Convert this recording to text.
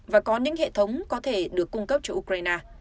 và có những hệ thống có thể được cung cấp cho ukraine